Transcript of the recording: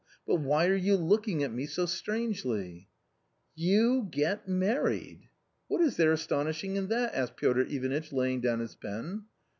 But why are you looking at me so strangely ?"" You get married !" "What is there astonishing in that?" asked Piotr Ivanitch laying down his pen.